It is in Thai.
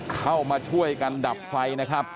เข้ามาช่วยการดับไฟ